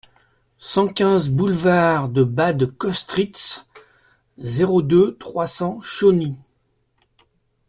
cent quinze boulevard de Bad Kostritz, zéro deux, trois cents, Chauny